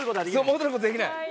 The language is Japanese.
戻ることできない。